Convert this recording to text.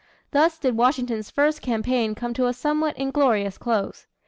Thus did Washington's first campaign come to a somewhat inglorious close.